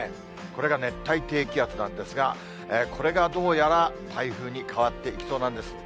これが熱帯低気圧なんですが、これがどうやら台風に変わっていきそうなんです。